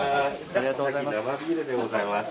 ありがとうございます。